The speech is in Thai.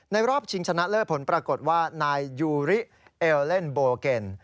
รอบชิงชนะเลิศผลปรากฏว่านายยูริเอลเล่นโบเก็น